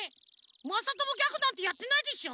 まさともギャグなんてやってないでしょ？